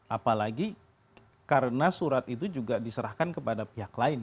apalagi karena surat itu juga diserahkan kepada pihak lain